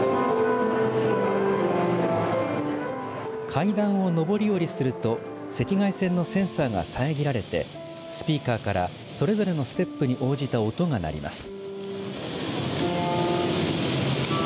階段を上り下りすると赤外線のセンサーが遮られてスピーカーから、それぞれのステップに応じた音が鳴ります。